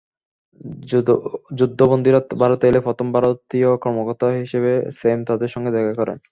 যুদ্ধবন্দীরা ভারতে এলে প্রথম ভারতীয় কর্মকর্তা হিসেবে স্যাম তাদের সঙ্গে দেখা করেন।